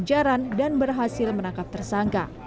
kejaran dan berhasil menangkap tersangka